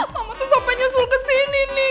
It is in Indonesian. kamu tuh sampai nyusul ke sini nih